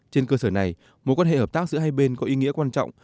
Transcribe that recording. trên cơ sở này mối quan hệ hợp tác giữa hai bên có ý nghĩa quan trọng